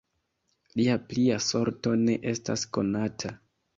Lia plia sorto ne estas konata.